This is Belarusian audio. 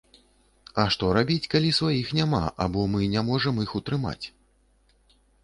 А што рабіць, калі сваіх няма або мы не можам іх утрымаць?